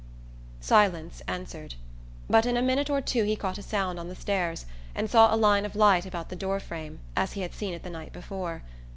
Silence answered; but in a minute or two he caught a sound on the stairs and saw a line of light about the door frame, as he had seen it the night before.